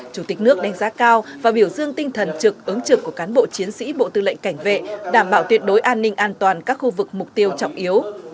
chủ tịch nước đánh giá cao và biểu dương tinh thần trực ứng trực của cán bộ chiến sĩ bộ tư lệnh cảnh vệ đảm bảo tuyệt đối an ninh an toàn các khu vực mục tiêu trọng yếu